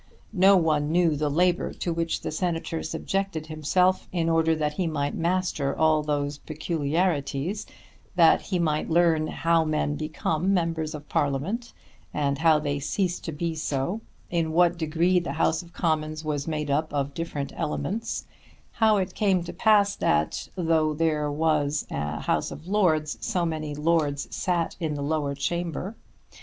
No one knew the labour to which the Senator subjected himself in order that he might master all these peculiarities, that he might learn how men became members of Parliament, and how they ceased to be so, in what degree the House of Commons was made up of different elements, how it came to pass, that though there was a House of Lords, so many lords sat in the lower chamber.